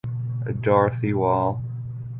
Dorothy Wall